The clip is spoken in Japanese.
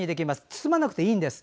包まなくていいんです。